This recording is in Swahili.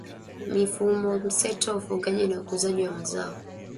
mifumomseto ya ufugaji na ukuzaji wa mazao